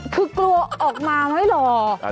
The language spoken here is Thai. คือกลัวออกมาไหมหรือ